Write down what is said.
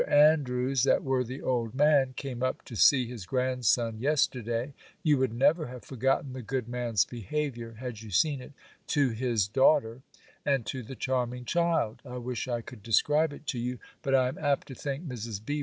Andrews, that worthy old man, came up to see his grandson, yesterday. You would never have forgotten the good man's behaviour (had you seen it), to his daughter, and to the charming child; I wish I could describe it to you; but I am apt to think Mrs. B.